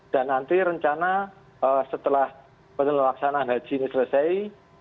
dan nanti rencana setelah penelaksanaan haji ini selesai